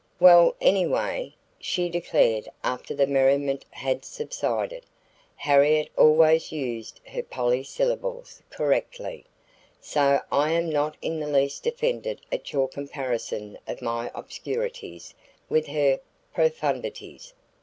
"Well, anyway," she declared after the merriment had subsided; "Harriet always uses her polysyllables correctly, so I am not in the least offended at your comparison of my obscurities with her profundities.